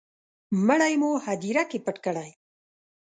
مړی مو هدیره کي پټ کړی